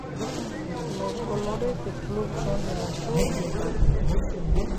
Los colores del club son el azul y el blanco.